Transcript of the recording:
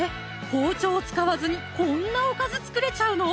包丁を使わずにこんなおかず作れちゃうの？